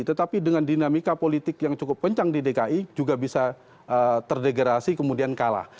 tetapi dengan dinamika politik yang cukup kencang di dki juga bisa terdegrasi kemudian kalah